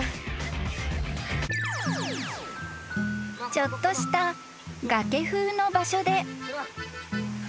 ［ちょっとした崖風の場所で］